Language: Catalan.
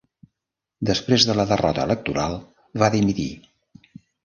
Després de la derrota electoral, va dimitir.